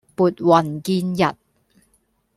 撥雲見日